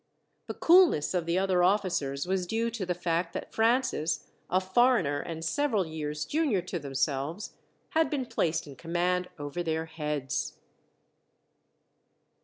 The coolness of the other officers was due to the fact that Francis, a foreigner and several years junior to themselves, had been placed in command over their heads.